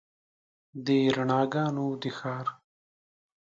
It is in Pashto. د رڼاګانو د ښار